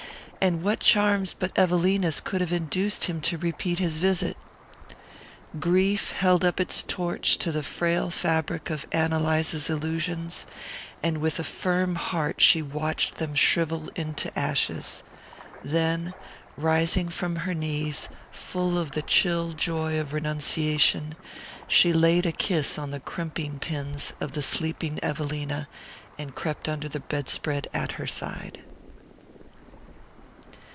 And what charms but Evelina's could have induced him to repeat his visit? Grief held up its torch to the frail fabric of Ann Eliza's illusions, and with a firm heart she watched them shrivel into ashes; then, rising from her knees full of the chill joy of renunciation, she laid a kiss on the crimping pins of the sleeping Evelina and crept under the bedspread at her side.